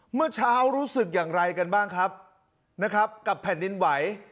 เมื่อเช้ารู้สึกอย่างไรกันบ้างครับนะครับกับแผ่นดินไหว